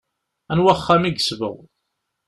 Anwa axxam i yesbeɣ?